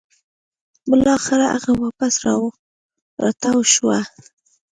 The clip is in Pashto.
بلاخره هغه واپس راتاو شوه